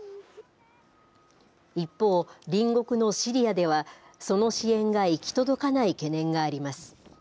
一方、隣国のシリアでは、その支援が行き届かない懸念があります。